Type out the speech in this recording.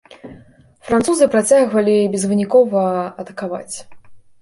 Французы працягвалі безвынікова атакаваць.